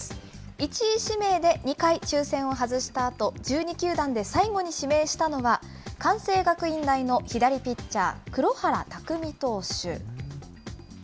１位指名で２回抽せんを外したあと、１２球団で最後に指名したのは、関西学院大の左ピッチャー、黒原拓未投手。